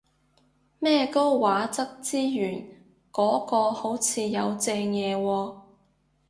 咩高畫質資源嗰個好似有正嘢喎